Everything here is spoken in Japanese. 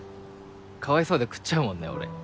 かわいそうで食っちゃうもんね俺。